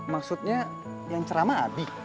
maksudnya yang ceramah abi